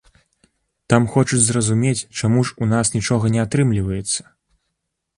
Там хочуць зразумець, чаму ж у нас нічога не атрымліваецца?